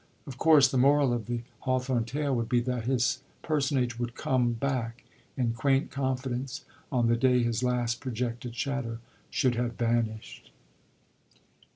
Of course the moral of the Hawthorne tale would be that his personage would come back in quaint confidence on the day his last projected shadow should have vanished.